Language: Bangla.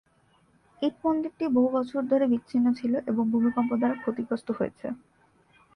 ইট মন্দিরটি বহু বছর ধরে বিচ্ছিন্ন ছিল এবং ভূমিকম্প দ্বারা ক্ষতিগ্রস্ত হয়েছে।